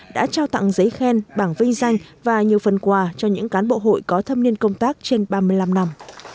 đã trao tặng giấy khen bảng vinh danh và nhiều phần quà cho những cán bộ hội có thâm niên công tác trên ba mươi năm năm